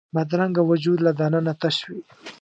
بدرنګه وجود له دننه تش وي